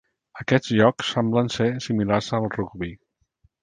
Aquests jocs semblen ser similars al rugbi.